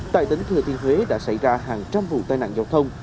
tại tỉnh thừa thiên huế đã xảy ra hàng trăm vụ tai nạn giao thông